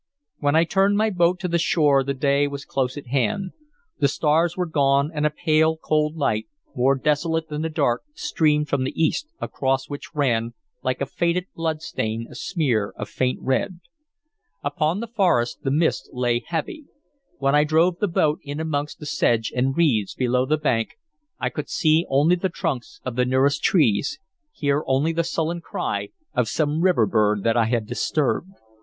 When I turned my boat to the shore the day was close at hand. The stars were gone, and a pale, cold light, more desolate than the dark, streamed from the east across which ran, like a faded blood stain, a smear of faint red. Upon the forest the mist lay heavy. When I drove the boat in amongst the sedge and reeds below the bank, I could see only the trunks of the nearest trees, hear only the sullen cry of some river bird that I had disturbed.